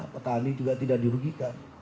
petani juga tidak dirugikan